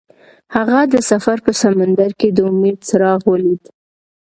هغه د سفر په سمندر کې د امید څراغ ولید.